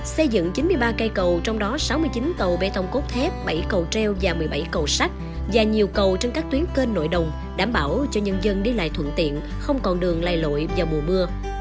xây dựng chín mươi ba cây cầu trong đó sáu mươi chín cầu bê tông cốt thép bảy cầu treo và một mươi bảy cầu sắt và nhiều cầu trên các tuyến kênh nội đồng đảm bảo cho nhân dân đi lại thuận tiện không còn đường lai lội vào mùa mưa